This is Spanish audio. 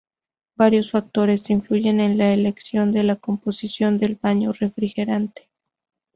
Varios factores influyen en la elección de la composición del baño refrigerante.